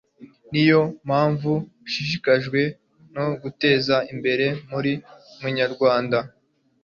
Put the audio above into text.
ni yo mpamvu ushishikajwe no guteza imbere buri munyarwanda